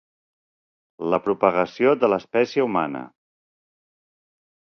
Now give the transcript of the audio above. La propagació de l'espècie humana.